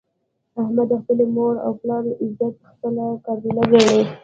احمد د خپلې مور او پلار عزت خپله قبله ګڼي.